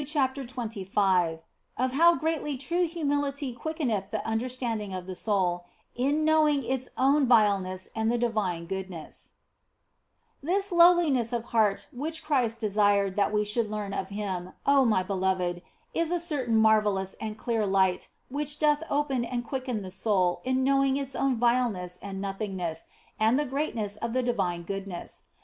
CHAPTER XXV OF HOW GREATLY TRUE HUMILITY QUICKENETH THE UNDERSTANDING OF THE SOUL IN KNOWING ITS OWN VILENESS AND THE DIVINE GOODNESS THIS lowliness of heart which Christ desired that we should learn of Him, oh my beloved, is a certain mar vellous and clear light which doth open and quicken the soul in knowing its own vileness and nothingness and the greatness of the divine goodness.